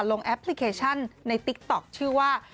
แอปพลิเคชันในติ๊กต๊อกชื่อว่า